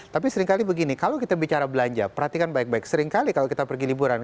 tapi seringkali begini kalau kita bicara belanja perhatikan baik baik seringkali kalau kita pergi liburan